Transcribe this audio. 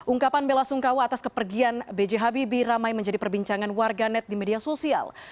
ungkapan bella sungkawa atas kepergian bghbb ramai menjadi perbincangan warga net di media sosial